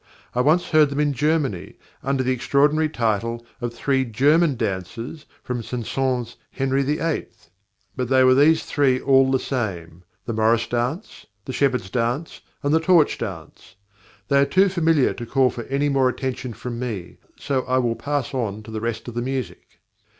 I once heard them in Germany, under the extraordinary title of "Three German Dances from Saint Saëns's Henry VIII.," but they were these three all the same the Morris Dance, the Shepherd's Dance, and the Torch Dance. They are too familiar to call for any more attention from me, so I will pass on to the rest of the music.